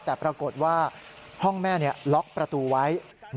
แต่ปรากฏว่าห้องแม่ล็อกประตูไว้